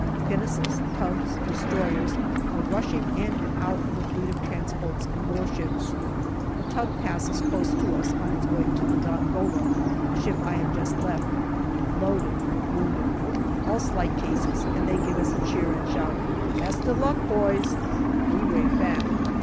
Pinnaces, tugs, destroyers are rushing in and out of the fleet of transports and warships. A tug passes close to us on its way to the Dongola, the ship I have just left, loaded with wounded, all slight cases, and they give us a cheer and shout " Best of luck, boys !" We wave back.